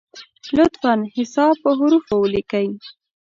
لطفا حساب په حروفو ولیکی!